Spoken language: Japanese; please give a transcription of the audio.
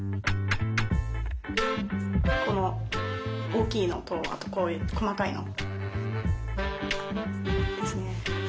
この大きいのとあとこういう細かいの。